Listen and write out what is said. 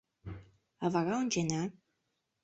А вара ончена.